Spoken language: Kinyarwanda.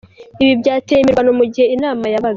Ibi byateye imirwano mu gihe inama yabaga.